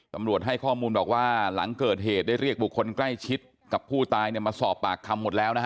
ตำรวจให้ข้อมูลบอกว่าหลังเกิดเหตุได้เรียกบุคคลใกล้ชิดกับผู้ตายเนี่ยมาสอบปากคำหมดแล้วนะฮะ